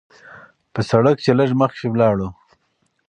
پۀ سړک چې لږ مخکښې لاړو